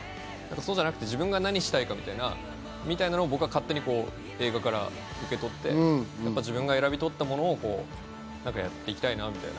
そうじゃなくて自分が何をしたいかみたいなのを僕は勝手に映画から受け取って自分が選び取ったものやっていきたいなみたいな。